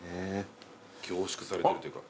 凝縮されてるというか。